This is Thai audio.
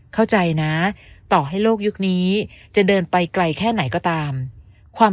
เข้าใจนะต่อให้โลกยุคนี้จะเดินไปไกลแค่ไหนก็ตามความ